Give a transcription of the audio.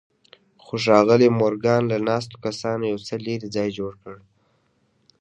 خو ښاغلي مورګان له ناستو کسانو یو څه لرې ځای جوړ کړ